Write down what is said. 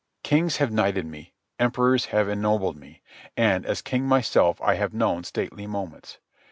Kings have knighted me, emperors have ennobled me, and, as king myself, I have known stately moments.